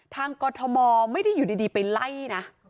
กรทมไม่ได้อยู่ดีไปไล่นะ